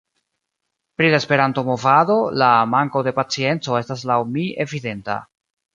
Pri la Esperanto-movado, la manko de pacienco estas laŭ mi evidenta.